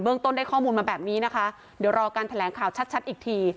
ต้นได้ข้อมูลมาแบบนี้นะคะเดี๋ยวรอการแถลงข่าวชัดอีกที